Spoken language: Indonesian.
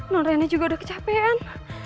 norenya juga udah kecapean